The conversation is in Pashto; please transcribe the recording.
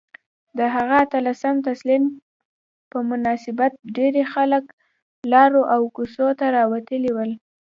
د هغه اتلسم تلین په مناسبت ډیرۍ خلک لارو او کوڅو ته راوتلي ول